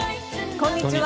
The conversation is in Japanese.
こんにちは。